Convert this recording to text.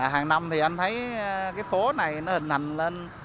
hàng năm thì anh thấy cái phố này nó hình hành lên